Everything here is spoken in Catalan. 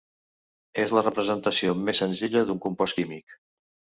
És la representació més senzilla d'un compost químic.